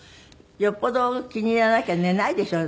よっぽど気に入らなきゃ寝ないでしょ